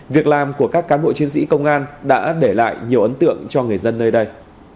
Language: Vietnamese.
việc làm của các cán bộ chiến sĩ công an đã để lại nhiều ấn tượng cho người dân nơi đây